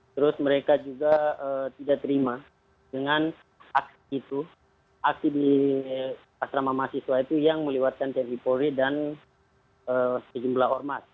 terus mereka juga tidak terima dengan aksi itu aksi di asrama mahasiswa itu yang meliwatkan teripori dan sejumlah hormat